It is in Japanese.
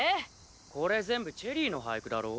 これ全部チェリーの俳句だろ？